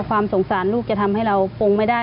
ความสงสารลูกจะทำให้เราคงไม่ได้